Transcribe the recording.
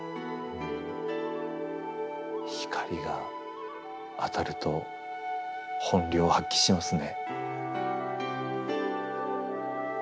光が当たると本領を発揮しますね。